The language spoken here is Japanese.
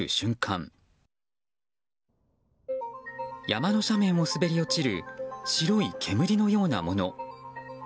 山の斜面を滑り落ちる白い煙のようなもの。